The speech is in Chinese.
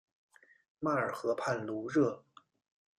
迈尔河畔卢热。